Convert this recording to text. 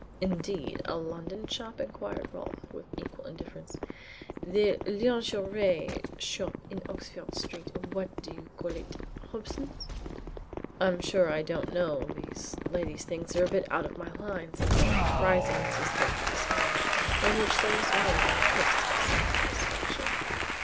"Indeed! A London shop?" inquired Rolfe, with equal indifference. "The lingerie shop in Oxford Street what do you call it Hobson's?" "I'm sure I don't know these ladies' things are a bit out of my line," said Rolfe, rising as he spoke with a smile, in which there was more than a trace of self satisfaction.